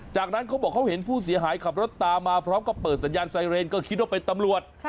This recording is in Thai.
จากนั้นเขาบอกเขาเห็นผู้เสียหายขับรถตามมาพร้อมกับเปิดสัญญาณไซเรนก็คิดว่าเป็นตำรวจ